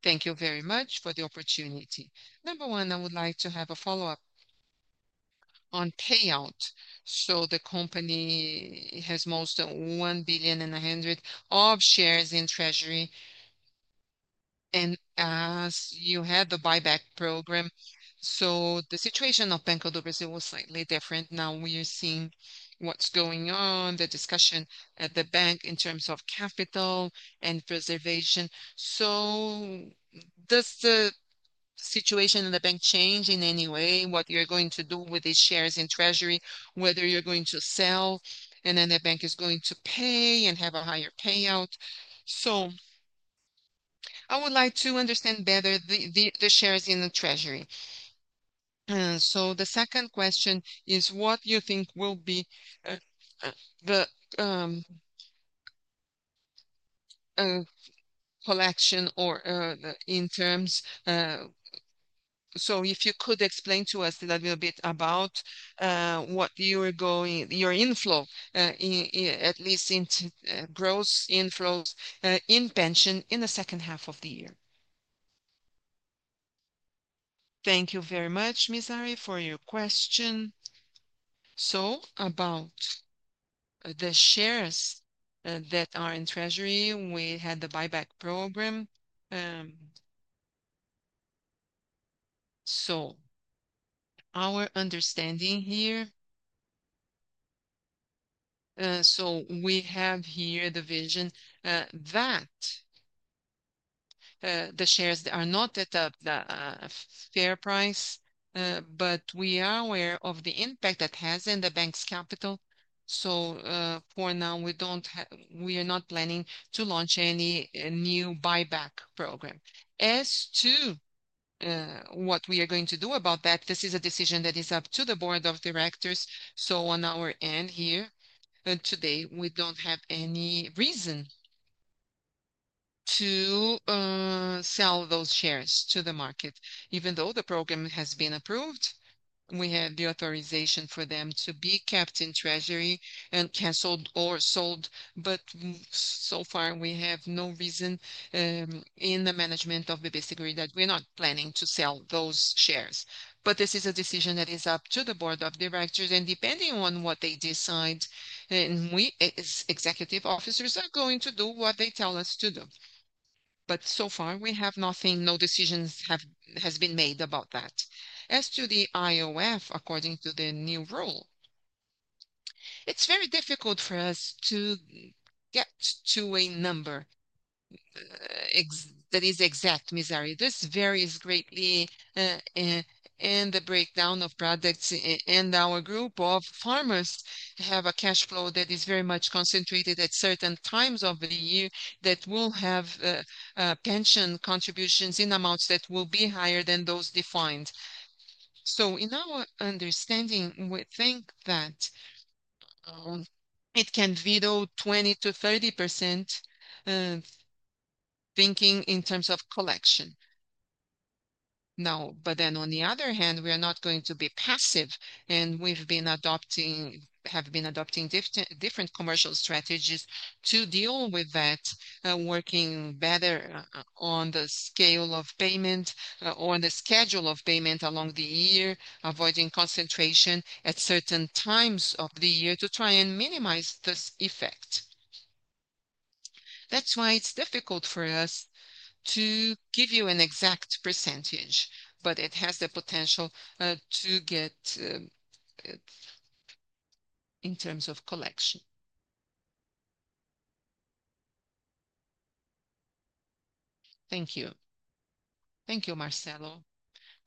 Thank you very much for the opportunity. Number one, I would like to have a follow up on payout. The company has almost 1 billion and 100 million of shares in treasury. As you had the buyback program, the situation of Banco do Brasil was slightly different. Now we are seeing what's going on in the discussion at the bank in terms of capital and preservation. Does the situation in the bank change in any way what you're going to do with these shares in treasury, whether you're going to sell and then the bank is going to pay and have a higher payout? I would like to understand better the shares in the treasury. The second question is what you think will be the collection or in terms. If you could explain to us a little bit about what you are going your inflow at least into gross inflows in pension in the second half of the year. Thank you very much, Marcelo, for your question. About the shares that are in treasury, we had the buyback program, so our understanding here. We have here the vision that the shares are not at fair price, but we are aware of the impact that has in the bank's capital. For now we are not planning to launch any new buyback program as to what we are going to do about that. This is a decision that is up to the board of directors. On our end here today, we don't have any reason to sell those shares to the market even though the program has been approved. We have the authorization for them to be kept in treasury and canceled or sold. So far we have no reason in the management of the BB Seguridade that we're not planning to sell those shares. This is a decision that is up to the board of directors and depending on what they decide, we as executive officers are going to do what they tell us to do. So far we have nothing. No decisions have been made about that. As to the IOF, according to their new rule, it's very difficult for us to get to a number that is exact. This varies greatly in the breakdown of products. Our group of farmers have a cash flow that is very much concentrated at certain times of the year that will have pension contributions in amounts that will be higher than those defined. In our understanding, we think that it can be 20%-30% thinking in terms of collection now, on the other hand, we are not going to be passive and we've been adopting different commercial strategies to deal with that, working better on the scale of payment or the schedule of payment along the year, avoiding concentration at certain times of the year to try and minimize this effect. That's why it's difficult for us to give you an exact %, but it has the potential to get in terms of collection. Thank you. Thank you, Marcelo.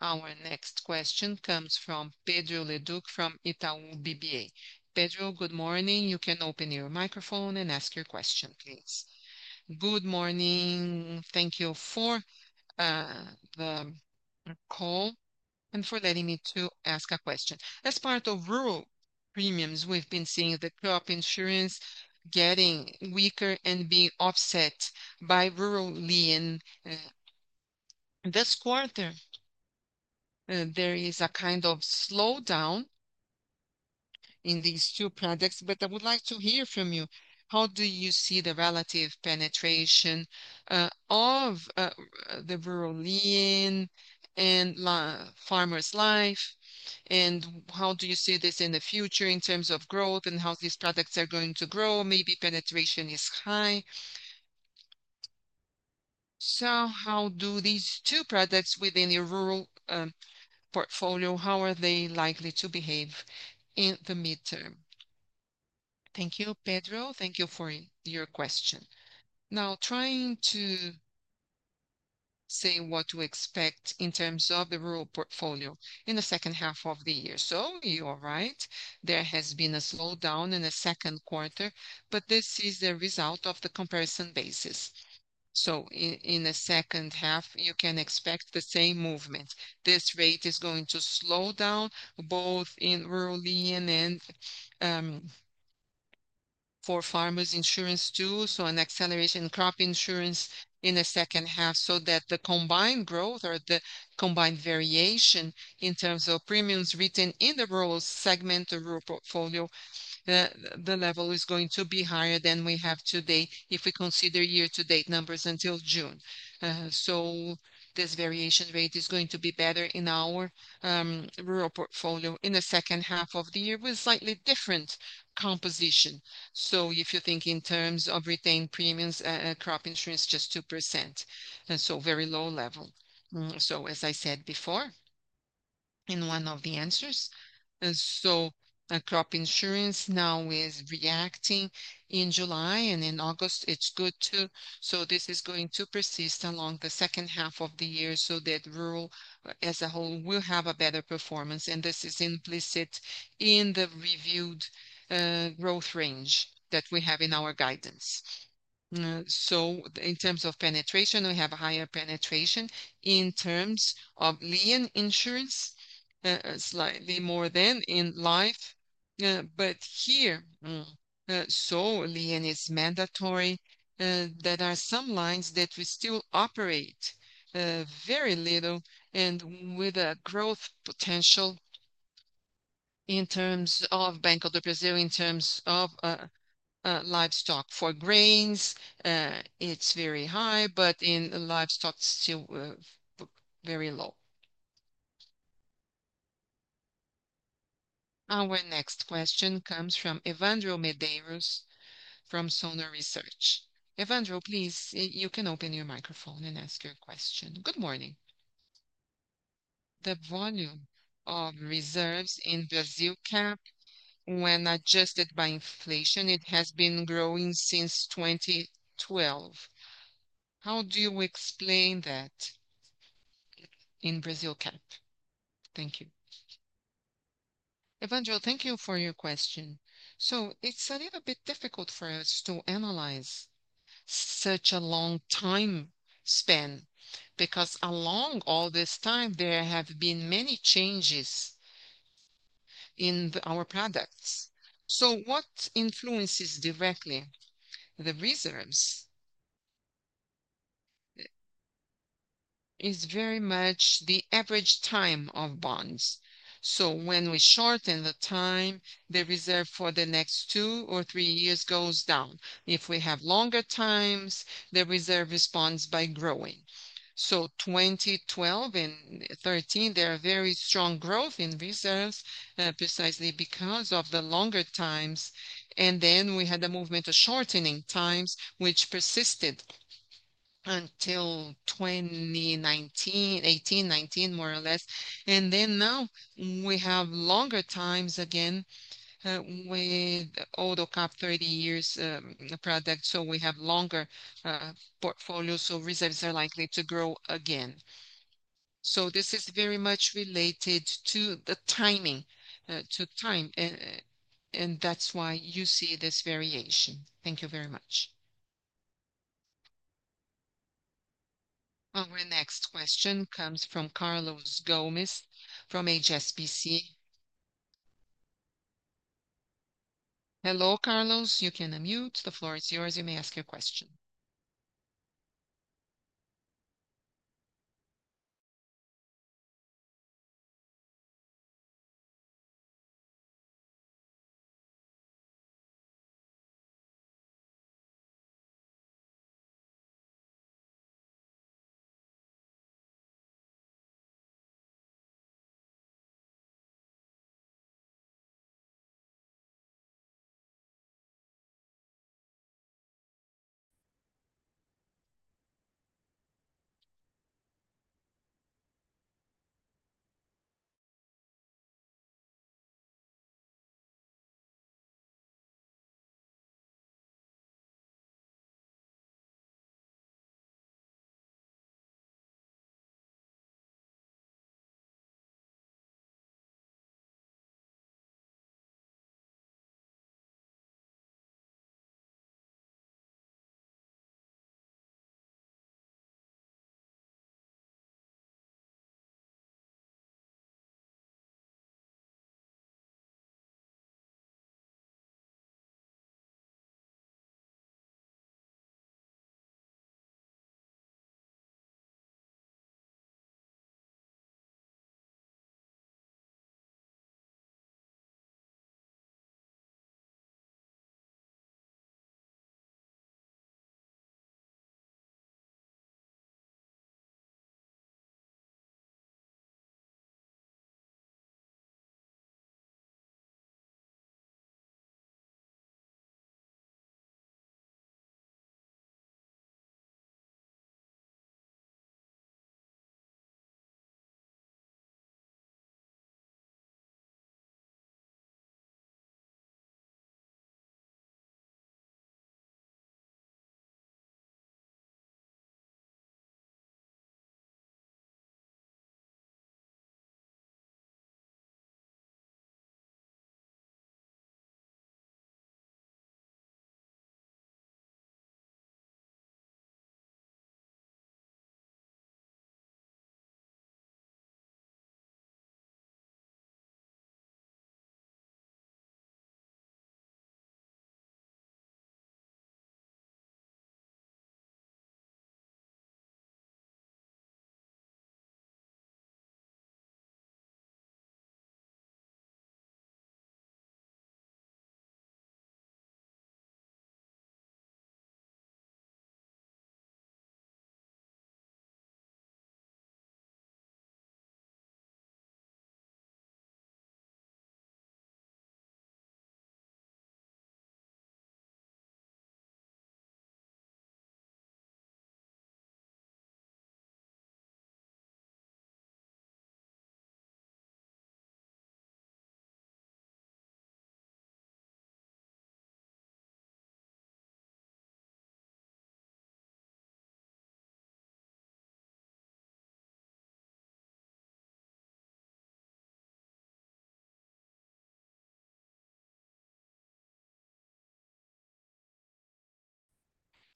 Our next question comes from Pedro Leduc from Itaú BBA. Pedro, good morning. You can open your microphone and ask your question, please. Good morning. Thank you for the call and for letting me ask a question. As part of rural premiums, we've been seeing the crop insurance getting weaker and being offset by rural and this quarter there is a kind of slowdown in these two products. I would like to hear from you how do you see the relative penetration of the rural and farmer's life and how do you see this in the future in terms of growth and how these products are going to grow? Maybe penetration is high. How do these two products within your rural portfolio, how are they likely to behave in the midterm? Thank you, Pedro. Thank you for your question. Now, trying to say what to expect in terms of the rural portfolio in the second half of the year. You are right, there has been a slowdown in the second quarter, but this is a result of the comparison basis. In the second half you can expect the same movement. This rate is going to slow down both in rural and for farmers insurance too. An acceleration in crop insurance in the second half, so that the combined growth or the combined variation in terms of premiums written in the rural segment of rural portfolio, the level is going to be higher than we have today if we consider year to date numbers until June. This variation rate is going to be better in our rural portfolio in the second half of the year with slightly different composition. If you think in terms of retained premiums, crop insurance just 2% and so very low level. As I said before in one of the answers, crop insurance now is reacting in July and in August it's good too. This is going to persist along the second half of the year so that rural as a whole will have a better performance. This is implicit in the reviewed growth range that we have in our guidance. In terms of penetration, we have a higher penetration in terms of livestock lien insurance, slightly more than in life, but here solely, and it's mandatory. There are some lines that we still operate very little and with a growth potential. In terms of Banco do Brasil, in terms of livestock for grains it's very high, but in livestock still very low. Our next question comes from Evandro Medeiros from Suno Research. Evandro, please, you can open your microphone and ask your question. Good morning. The volume of reserves in Brasilcap, when adjusted by inflation, has been growing since 2012. How do you explain that in Brasilcap? Thank you. Evandro thank you for your question. It's a little bit difficult for us to analyze such a long time span because along all this time there have been many changes in our products. What influences directly the reserves is very much the average time of bonds. When we shorten the time, the reserve for the next two or three years goes down. If we have longer times, the reserve responds by growing. In 2012 and 2013, there was very strong growth in reserves precisely because of the longer times. We had the movement of shortening times which persisted until 2018, 2019 more or less. Now we have longer times again with AutoCap 30 years product, so we have a longer portfolio. Reserves are likely to grow again. This is very much related to the timing, to time, and that's why you see this variation. Thank you very much. Our next question comes from Carlos Gomez-Lopez from HSBC Global Investment Research. Hello Carlos, you can unmute. The floor is yours, you may ask your question.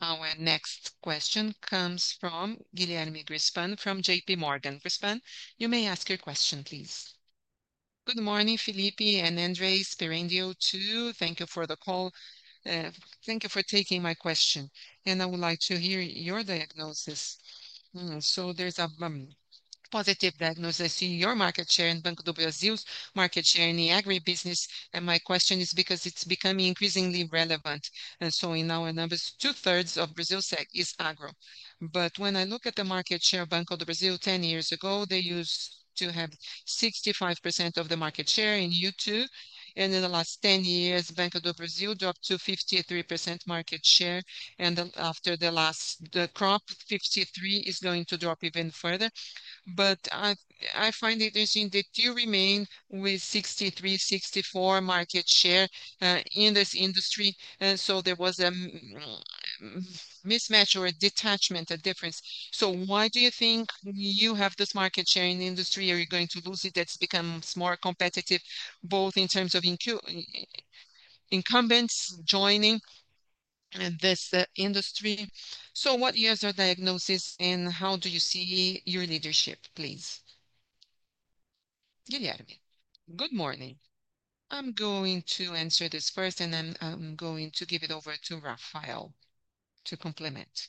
Our next question comes from Guilherme Grespan from J.P. Morgan. Grespan, you may ask your question, please. Good morning, Felipe and Rafael Sperendio too. Thank you for the call. Thank you for taking my question and I would like to hear your diagnosis. There's a positive diagnosis. I see your market share and Banco do Brasil's market share in the agribusiness and my question is because it's becoming increasingly relevant. In our numbers, 2/3 of BB Seguridade is agro. When I look at the market share, Banco do Brasil 10 years ago used to have 65% of the market share in rural insurance. In the last 10 years, Banco do Brasil dropped to 53% market share. After the last crop, 53% is going to drop even further. I find it interesting that you remain with 63%, 64% market share in this industry. There was a mismatch or a detachment, a difference. Why do you think you have this market share in the industry? Are you going to lose it? It's become more competitive both in terms of incumbents joining this industry. What is your diagnosis and how do you see your leadership, please? Good morning. I'm going to answer this first and then I'm going to give it over to Rafael to complement.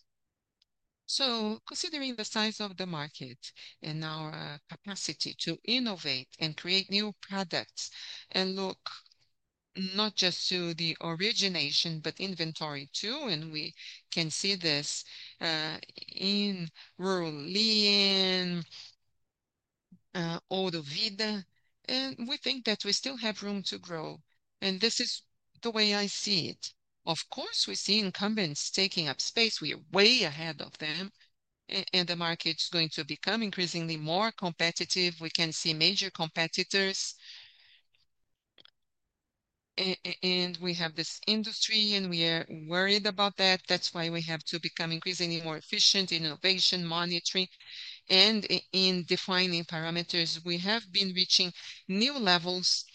Considering the size of the market and our capacity to innovate and create new products and look not just to the origination but inventory too, we can see this in rural vida and we think that we still have room to grow. This is the way I see it. Of course, we see incumbents taking up space. We are way ahead of them. The market's going to become increasingly more competitive. We can see major competitors and we have this industry and we are worried about that. That's why we have to become increasingly more efficient in innovation, monitoring, and in defining parameters. We have been reaching new levels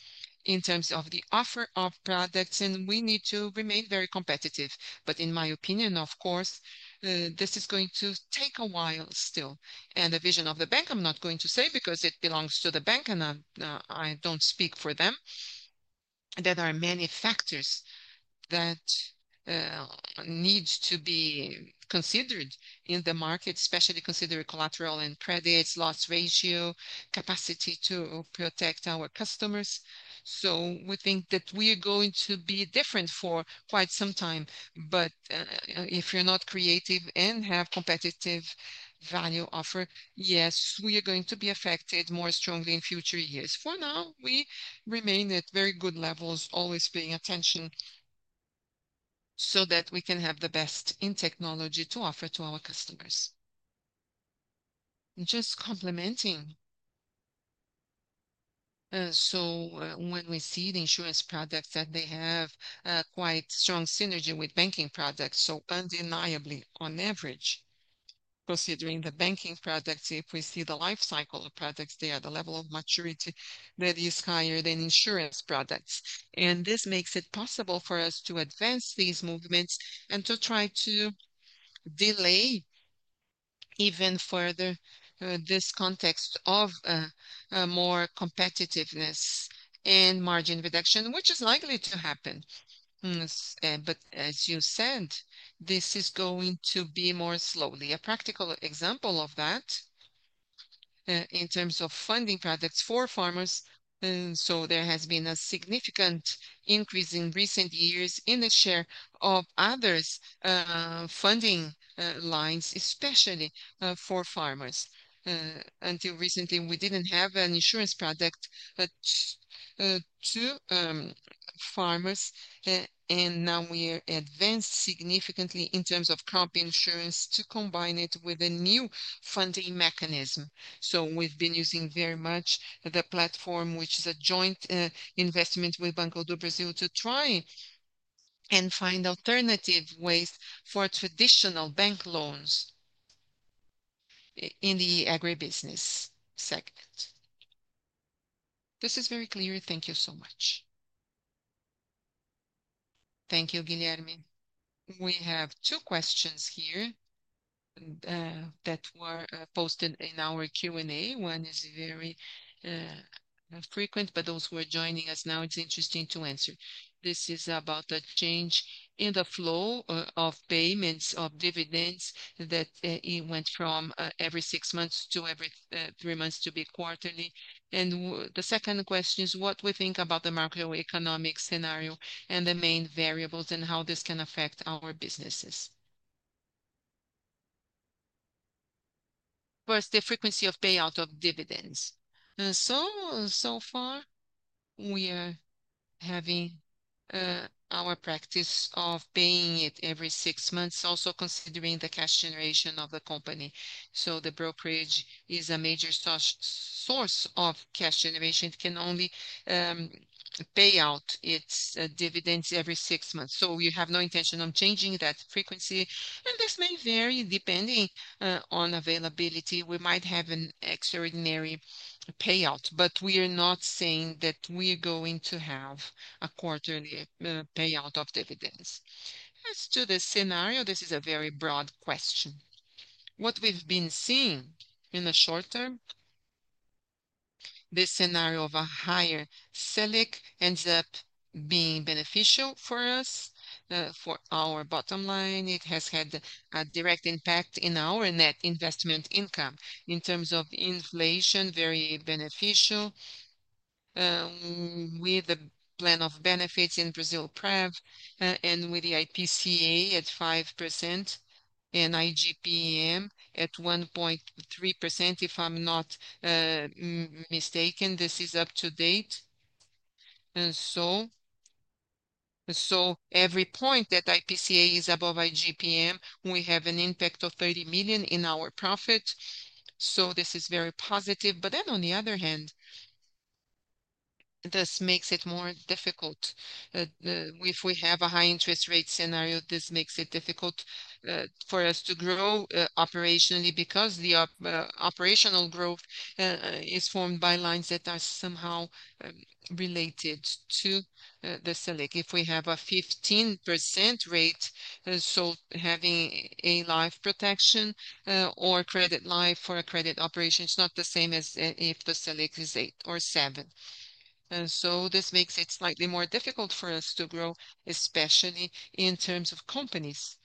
in terms of the offer of products and we need to remain very competitive. In my opinion, of course, this is going to take a while still. The vision of the bank, I'm not going to say because it belongs to the bank and I don't speak for them. There are many factors that need to be considered in the market, especially considering collateral and credits loss ratio capacity to protect our customers. We think that we are going to be different for quite some time. If you're not creative and have competitive value offer, yes, we are going to be affected more strongly in future years. For now, we remain at very good levels, always paying attention so that we can have the best in technology to offer to our customers. Just complementing, when we see the insurance products, they have quite strong synergy with banking products. Undeniably, on average, considering the banking products, if we see the life cycle of products, they are at a level of maturity that is higher than insurance products. This makes it possible for us to advance these movements and to try to delay even further this context of more competitiveness and margin reduction which is likely to happen. As you said, this is going to be more slowly. A practical example of that in terms of funding projects for farmers, there has been a significant increase in recent years in the share of others funding lines, especially for farmers. Until recently we didn't have an insurance product to farmers, and now we are advanced significantly in terms of crop insurance to combine it with a new funding mechanism. We've been using very much the platform, which is a joint investment with Banco do Brasil, to try and find alternative ways for traditional bank loans in the agribusiness sector. This is very clear. Thank you so much. Thank you. Guilherme. We have two questions here that were posted in our Q&A. One is very, but those who are joining us now, it's interesting to answer. This is about the change in the flow of payments of dividends that went from every six months to every three months to be quarterly. The second question is what we think about the macro-economic scenario and the main variables and how this can affect our businesses. First, the frequency of payout of dividends. So far we are having our practice of paying it every six months, also considering the cash generation of the company. The brokerage is a major source of cash generation. It can only pay out its dividends every six months. You have no intention of changing that frequency. This may vary depending on availability. We might have an extraordinary payout, but we are not saying that we are going to have a quarterly payout of dividends. As to the scenario, this is a very broad question. What we've been seeing in the short term. This scenario of a higher SELIC ends up being beneficial for us for our bottom line. It has had a direct impact in our net investment income in terms of inflation. Very beneficial issue with the plan of benefits in Brasilprev and with the IPCA at 5% and IGPM at 1.3%, if I'm not mistaken, this is up to date. Every point that IPCA is above IGPM, we have an impact of $30 million in our profit. This is very positive. On the other hand this makes it more difficult if we have a high interest rate scenario. This makes it difficult for us to grow operationally because the operational growth is formed by lines that are somehow related to the SELIC if we have a 15% rate. Having a life protection or credit life for a credit operation, it's not the same as if the SELIC is 8% or 7%. This makes it slightly more difficult for us to grow, especially in terms of companies.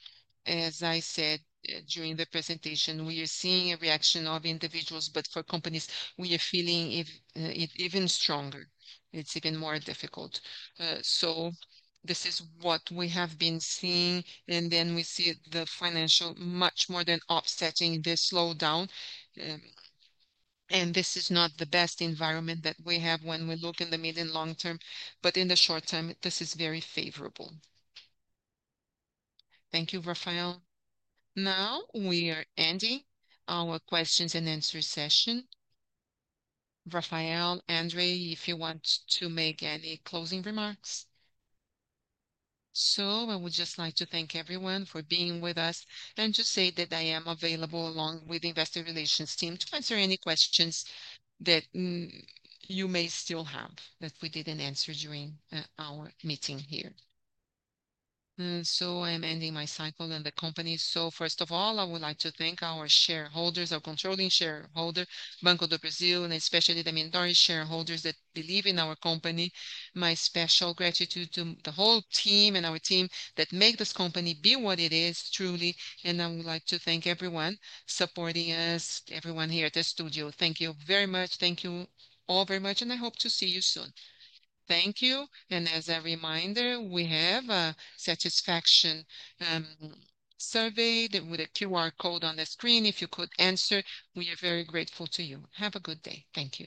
As I said during the presentation, we are seeing a reaction of individuals, but for companies we are feeling even stronger, it's even more difficult. This is what we have been seeing and then we see the financial much more than offsetting the slowdown. This is not the best environment that we have when we look in the mid and long term. In the short term this is very favorable. Thank you, Rafael. Now we are ending our questions and answers session. Rafael, André, if you want to make any closing remarks. I would just like to thank everyone for being with us and to say that I am available, along with the investor relations team, to answer any questions that you may still have that we didn't answer during our meeting here. I'm ending my cycle in the company. First of all, I would like to thank our shareholders, our controlling shareholder, Banco do Brasil, and especially the minority shareholders that believe in our company. My special gratitude to the whole team and our team that make this company be what it is, truly. I would like to thank everyone supporting us, everyone here at the studio. Thank you very much. Thank you all very much and I hope to see you soon. Thank you. As a reminder, we have a satisfaction survey with a QR code on the screen. If you could answer, we are very grateful to you. Have a good day. Thank you.